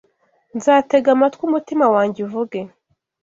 Nzatega amatwi umutima wanjye uvuge